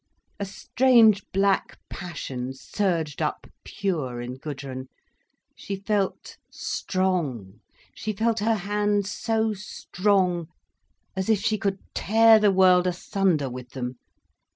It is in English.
A strange black passion surged up pure in Gudrun. She felt strong. She felt her hands so strong, as if she could tear the world asunder with them.